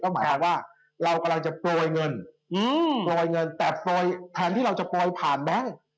ก็หมายถึงว่าเรากำลังจะปล่อยเงินแต่แทนที่เราจะปล่อยผ่านแบงค์